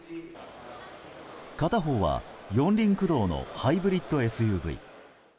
片方は４輪駆動のハイブリッドＳＵＶ。